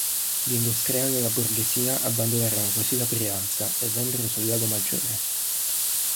Gli industriali e la borghesia abbandonarono così la Brianza e vennero sul Lago Maggiore.